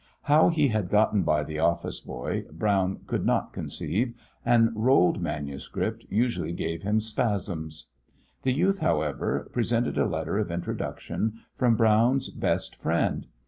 How he had gotten by the office boy Brown could not conceive, and rolled manuscript usually gave him spasms. The youth, however, presented a letter of introduction from Brown's best friend.